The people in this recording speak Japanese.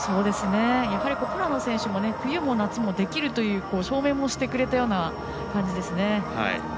やはりこの選手は夏でも冬でもできると証明もしてくれたような感じですね。